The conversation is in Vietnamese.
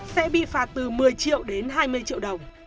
sẽ bị phạt từ một mươi triệu đến hai mươi triệu đồng